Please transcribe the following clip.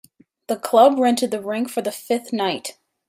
The club rented the rink for the fifth night.